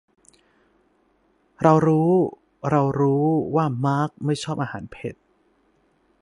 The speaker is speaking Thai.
เรารู้เรารู้ว่ามาร์คไม่ชอบอาหารเผ็ด